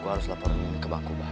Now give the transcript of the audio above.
gua harus laporan ini ke bangku bar